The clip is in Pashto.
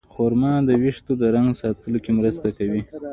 خرما د ویښتو د رنګ ساتلو کې مرسته کوي.